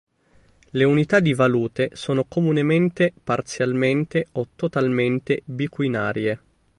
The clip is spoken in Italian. Le unità di valute sono comunemente parzialmente o totalmente biquinarie.